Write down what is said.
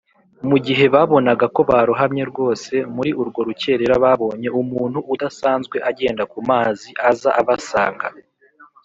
mu gihe babonaga ko barohamye rwose, muri urwo rukerera babonye umuntu udasanzwe agenda ku mazi aza abasanga